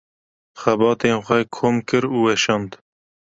Xebatên xwe kom kir û weşand.